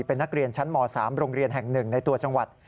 เป็นนักเรียนชั้นม๓โรงเรียนแห่ง๑ในตัวจังหวัด